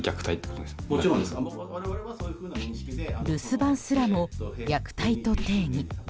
留守番すらも虐待と定義。